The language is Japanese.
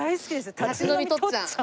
「立ち飲みとっちゃん」！